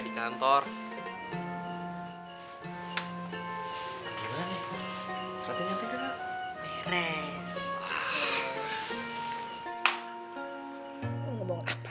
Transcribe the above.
syana rape langsung ke usd